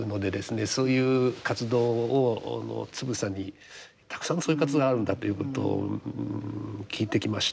そういう活動をつぶさにたくさんのそういう活動があるんだということを聞いてきました。